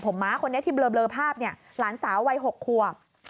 ผมม้าคนนี้ที่เบลอภาพเนี่ยหลานสาววัย๖ขวบ